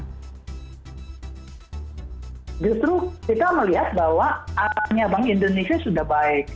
justru kita melihat bahwa arahnya bank indonesia sudah baik